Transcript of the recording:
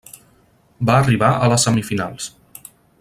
Va arribar a les semifinals.